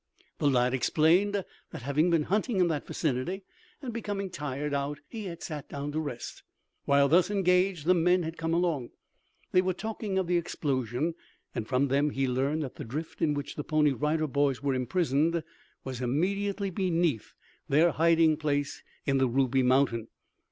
The lad explained that having been hunting in that vicinity and becoming tired out he had sat down to rest. While thus engaged the men had come along. They were talking of the explosion, and from them he learned that the drift in which the Pony Rider Boys were imprisoned was immediately beneath their hiding place in the Ruby Mountain.